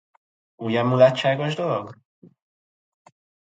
Ugye, mulatságos dolog?